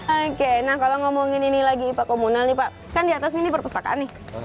oke nah kalau ngomongin ini lagi ipa komunal nih pak kan di atas ini perpustakaan nih